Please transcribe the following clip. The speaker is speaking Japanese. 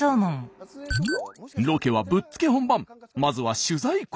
まずは取材交渉。